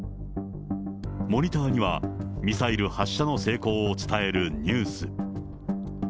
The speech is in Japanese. モニターには、ミサイル発射の成功を伝えるニュース。